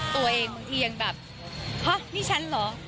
ตัวเองบางทียังแบบฮะนี่ฉันเหรอ